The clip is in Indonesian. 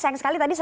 sayang sekali tadi